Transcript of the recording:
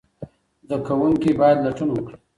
زده کوونکي باید لټون وکړي.